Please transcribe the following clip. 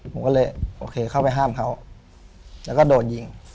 ผมก็เลยโอเคเข้าไปห้ามเขาแล้วก็โดนยิง